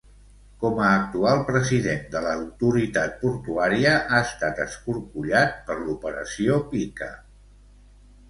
Com a actual president de l'Autoritat Portuària, ha estat escorcollat per l'operació Pika.